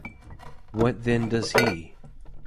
What then does he?